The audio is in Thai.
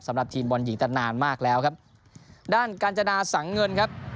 สำหรับทีมบอลหญิงแต่นานมากแล้วครับด้านกาญจนาสังเงินครับ